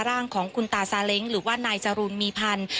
ร่างของคุณตาซาเล้งหรือว่านายจรูนมีพันธ์